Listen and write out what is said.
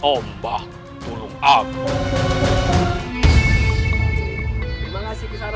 tombah tulung agung